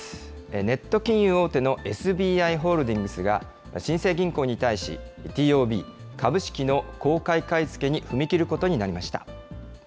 ネット金融大手のＳＢＩホールディングスが、新生銀行に対し、ＴＯＢ・株式の公開買い付けに踏み切ることになりました。